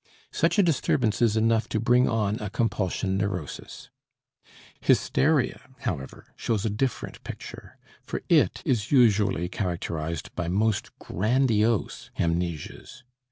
Such a disturbance is enough to bring on a compulsion neurosis. Hysteria, however, shows a different picture, for it is usually characterized by most grandiose amnesias.